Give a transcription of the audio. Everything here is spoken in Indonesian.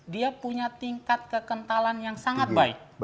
dia punya tingkat kekentalan yang sangat baik